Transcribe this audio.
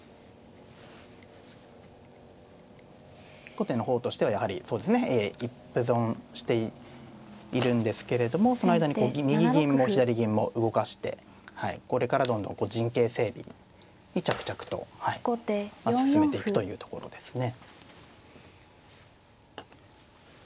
後手の方としてはやはりそうですね一歩損しているんですけれどもその間にこう右銀も左銀も動かしてこれからどんどん陣形整備に着々と進めていくというところですね。